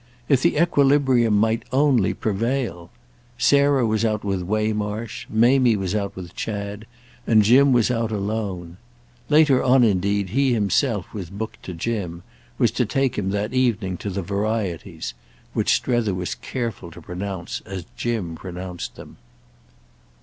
If the equilibrium might only prevail! Sarah was out with Waymarsh, Mamie was out with Chad, and Jim was out alone. Later on indeed he himself was booked to Jim, was to take him that evening to the Varieties—which Strether was careful to pronounce as Jim pronounced them.